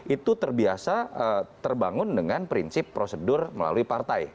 itu terbiasa terbangun dengan prinsip prosedur melalui partai